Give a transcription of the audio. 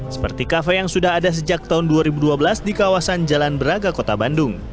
seperti kafe yang sudah ada sejak tahun dua ribu dua belas di kawasan jalan braga kota bandung